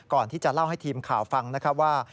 ก่อนที่จะเล่าให้ทีมข่าวฟังว่า